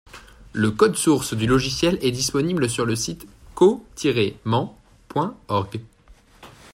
Le code source du logiciel est disponible sur le site co-ment.org.